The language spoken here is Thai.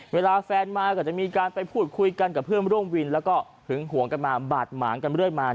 เวลาแฟนมาก็จะมีการไปพูดคุยกันกับเพื่อนร่วมวินแล้วก็หึงห่วงกันมาบาดหมางกันเรื่อยมา